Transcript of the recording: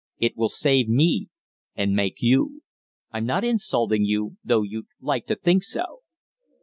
It will save me and make you. I'm not insulting you, though you'd like to think so."